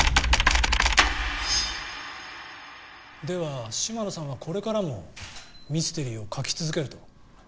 では嶋野さんはこれからもミステリーを書き続けると？